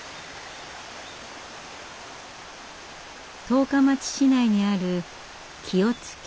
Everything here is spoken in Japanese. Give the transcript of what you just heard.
十日町市内にある清津峡。